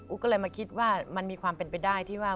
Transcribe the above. ก็เลยมาคิดว่ามันมีความเป็นไปได้ที่ว่า